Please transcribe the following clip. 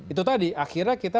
itu tadi akhirnya kita